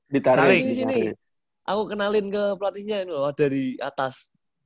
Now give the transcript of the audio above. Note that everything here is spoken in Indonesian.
ditarik di sini aku kenalin ke pelatihnya itu loh ada di atas